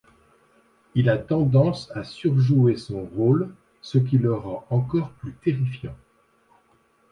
Il a tendance à surjouer son rôle, ce qui le rend encore plus terrifiant.